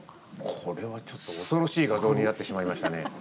これはちょっと恐ろしい画像になってしまいましたね。